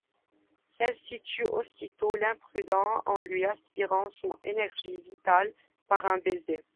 Celle-ci tue aussitôt l'imprudent en lui aspirant son énergie vitale par un baiser.